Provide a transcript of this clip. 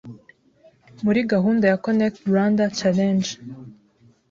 muri gahunda ya ConnectRwanda Challenge